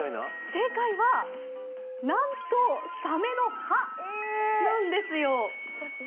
正解は、なんと、さめの歯なんですよ。